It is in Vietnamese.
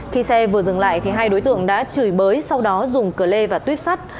khi xe vừa dừng lại thì hai đối tượng đã chửi bới sau đó dùng cửa lê và tuyếp sắt